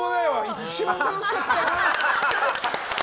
一番楽しかったな！